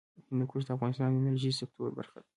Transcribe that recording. هندوکش د افغانستان د انرژۍ سکتور برخه ده.